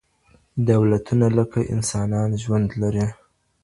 دولتونه لکه انسانان ژوند لري.